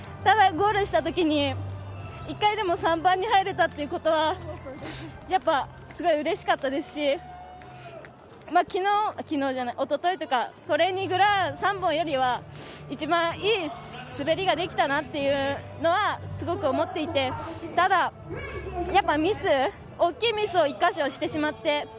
ゴールしたときに１回でも３番に入れたということはすごいうれしかったですしおとといとかトレーニングラン３本よりは一番いい滑りができたなというのはすごく思っていて、ただやっぱり大きいミスを１か所、してしまって。